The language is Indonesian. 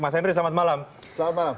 mas henry selamat malam selamat malam